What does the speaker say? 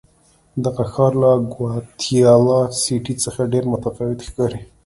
دغه ښار له ګواتیلا سیټي څخه ډېر متفاوت ښکاري.